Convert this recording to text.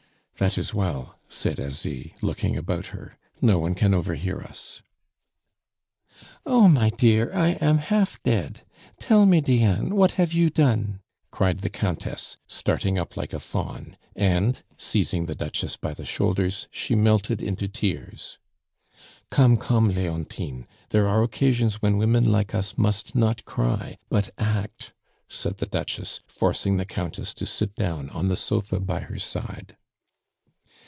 "That is well," said Asie, looking about her. "No one can overhear us." "Oh! my dear, I am half dead! Tell me, Diane, what have you done?" cried the Duchess, starting up like a fawn, and, seizing the Duchess by the shoulders, she melted into tears. "Come, come, Leontine; there are occasions when women like us must not cry, but act," said the Duchess, forcing the Countess to sit down on the sofa by her side.